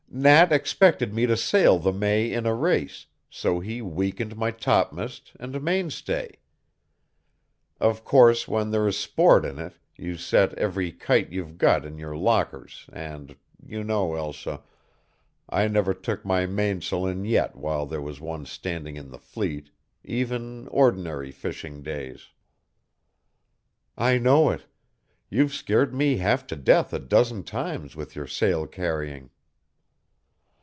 Nat expected me to sail the May in a race, so he weakened my topm'st and mainstay. Of course, when there is sport in it you set every kite you've got in your lockers and, you know, Elsa, I never took my mains'l in yet while there was one standing in the fleet, even ordinary fishing days." "I know it; you've scared me half to death a dozen times with your sail carrying."